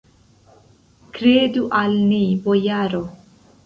Kredu al ni, bojaro!